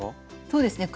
そうですね